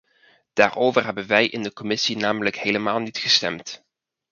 Daarover hebben wij in de commissie namelijk helemaal niet gestemd.